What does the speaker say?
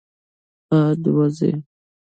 باد وزي.